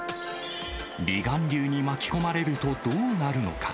離岸流に巻き込まれるとどうなるのか。